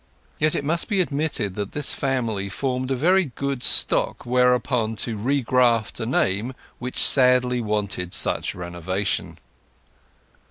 Yet it must be admitted that this family formed a very good stock whereon to regraft a name which sadly wanted such renovation.